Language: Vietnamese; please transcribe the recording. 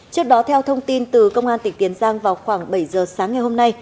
trước đó theo thông tin từ công an tỉnh tiền giang vào khoảng bảy giờ sáng ngày hôm nay